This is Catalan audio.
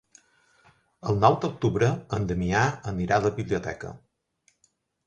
El nou d'octubre en Damià anirà a la biblioteca.